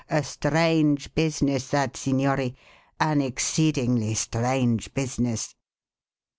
a strange business that, signori; an exceedingly strange business."